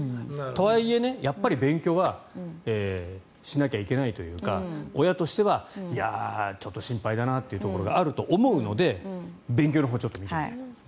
とはいえ、勉強はしなきゃいけないというか親としてはちょっと心配だなっていうところがあると思うので勉強のほうを見ていきたいと思います。